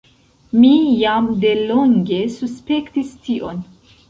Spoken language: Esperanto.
Mi jam delonge suspektis tion.